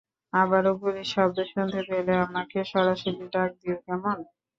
আবারো গুলির শব্দ শুনতে পেলে, আমাকে সরাসরি ডাক দিও, কেমন?